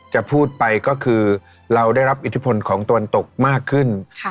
จะพูดไปก็คือเราได้รับอิทธิพลของตะวันตกมากขึ้น